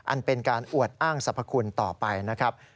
อันเป็นการอวดอ้างสรรพคุณต่อไปนะครับ